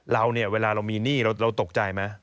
เราเนี่ยเวลาเรามีหนี้เราตกใจไหม